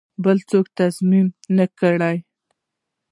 بل څوک تضمین نه کړم.